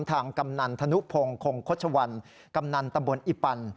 ทางกำนันธนุพงศ์คงคชวรกำนันตะบนอิปัน